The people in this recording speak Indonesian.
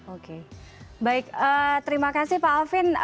oke baik terima kasih pak alvin